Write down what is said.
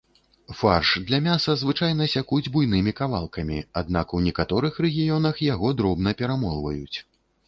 Фарш для мяса звычайна сякуць буйнымі кавалкамі, аднак у некаторых рэгіёнах яго дробна перамолваюць.